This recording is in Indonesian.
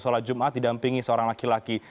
sholat jumat didampingi seorang laki laki